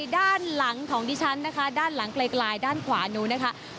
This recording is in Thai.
ด้านหลังไกลกรายด้านขวานู้นนะครับ